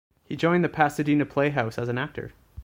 He joined the Pasadena Playhouse as an actor.